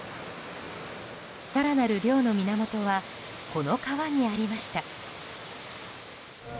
更なる涼の源はこの川にありました。